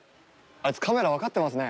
あいつカメラわかってますね。